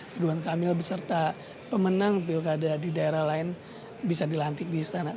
ridwan kamil beserta pemenang pilkada di daerah lain bisa dilantik di istana